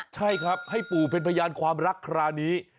ใช่ครับให้ปู่เป็นพยานความรักคราวนี้